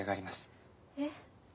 えっ？